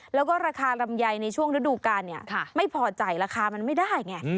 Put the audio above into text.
แล้วก็ราคาลำไยในช่วงฤดูกาลไม่พอใจราคามันไม่ได้ไง